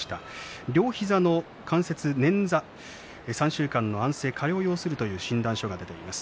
両膝の関節捻挫、３週間の安静加療を要するという診断書が出ています。。